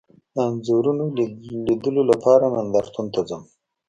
د انځورونو لیدلو لپاره نندارتون ته ځم